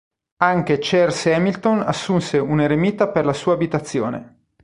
Anche Charles Hamilton assunse un eremita per la sua abitazione.